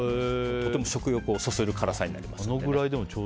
とても食欲をそそる辛さになりますので。